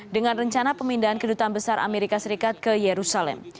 dengan rencana pemindahan kedutaan besar amerika serikat ke yerusalem